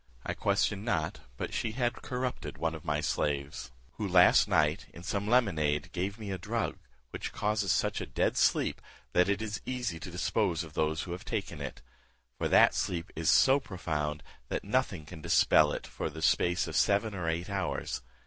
I question not but she had corrupted one of my slaves, who last night, in some lemonade, gave me a drug, which causes such a dead sleep, that it is easy to dispose of those who have taken it; for that sleep is so profound, that nothing can dispel it for the space of seven or eight hours.